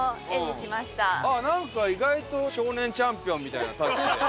なんか意外と『少年チャンピオン』みたいなタッチで。